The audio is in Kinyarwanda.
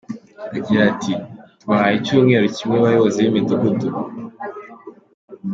Agira ati “Tubahaye icyumweru kimwe bayobozi b’imidugudu.